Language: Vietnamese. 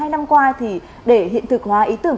hai năm qua thì để hiện thực hóa ý tưởng